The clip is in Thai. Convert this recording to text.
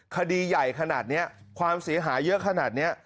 คดีใหญ่ขนาดนี้ความเสียหายเยอะขนาดนี้